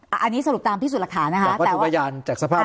อันนี้สรุปตามพิสูจน์หลักฐานนะคะ